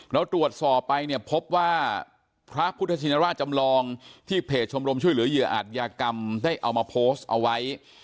เราตรวจสอบไปเนี่ยพบว่าพระพุทธชินราชจำลองที่เพจชมรมช่วยเหลือเหยื่ออาจยากรรมได้เอามาโพสต์เอาไว้